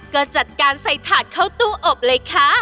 ก็จัดการใส่ถาดเข้าตู้อบเลยค่ะ